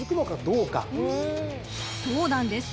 ［そうなんです］